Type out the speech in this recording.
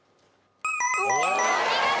お見事！